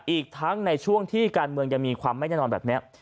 อีกทั้งในช่วงที่การเมืองยังมีความไม่แน่นอนแบบนี้